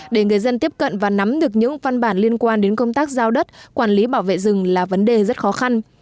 để người dân tiếp cận và nắm được những văn bản liên quan đến công tác giao đất quản lý bảo vệ rừng là vấn đề rất khó khăn